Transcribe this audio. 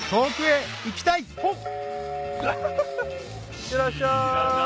いってらっしゃい！